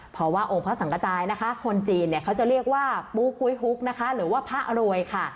เพราะว่าองค์พระสังกระจายนะคะคนจีนเนี่ยเขาจะเรียกว่าปูกุ้ยฮุกนะคะหรือว่าพระรวยค่ะ